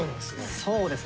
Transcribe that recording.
そうですね。